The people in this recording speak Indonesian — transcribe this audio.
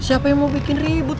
siapa yang mau bikin ribut